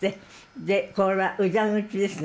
でこれは裏口ですね。